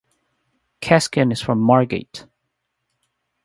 Keskin is from Margate.